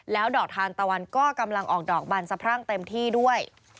แล้วดอกทานตะวันก็กำลังออกดอกบันสะพรั่งเต็มที่ด้วย